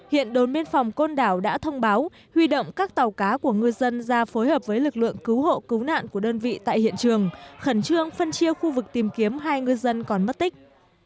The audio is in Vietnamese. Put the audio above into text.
hiện đồn biên phòng côn đảo đã thông báo huy động các tàu cá của ngư dân ra phối hợp với lực lượng cứu hộ cứu nạn của đơn vị tại hiện trường khẩn trương phân chia khu vực tìm kiếm hai ngư dân còn mất tích